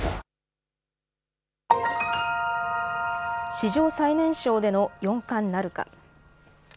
史上最年少での四冠なるか。